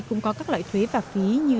cũng có các loại thuế và phí như